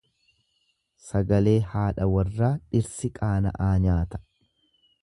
Sagalee haadha warraa dhirsi qaana'aa nyaata.